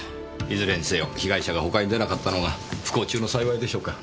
いずれにせよ被害者が他に出なかったのが不幸中の幸いでしょうか。